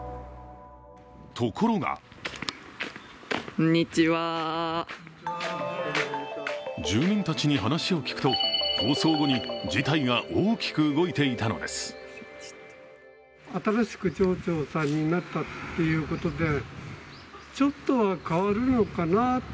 ところが住民たちに話を聞くと放送後に事態は大きく動いていたのです。